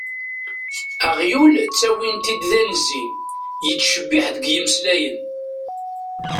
Aɣyul ttawin-t-id d anzi, yettcebbiḥ deg yimeslayen.